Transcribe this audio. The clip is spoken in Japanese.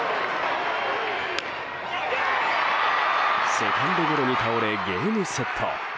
セカンドゴロに倒れゲームセット。